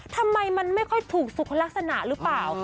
ทำไมมันไม่ค่อยถูกสุขลักษณะหรือเปล่า